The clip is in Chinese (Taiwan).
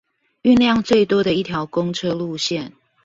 運量最多的一條公車路線